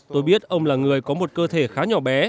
tôi biết ông là người có một cơ thể khá nhỏ bé